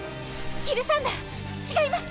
ギルサンダー違います！